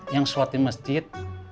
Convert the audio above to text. yang sholat di masjid